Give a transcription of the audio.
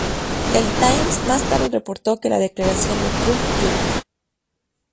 El "Times" más tarde reportó que la declaración de Trump Jr.